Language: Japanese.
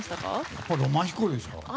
やっぱり「浪漫飛行」でしょ。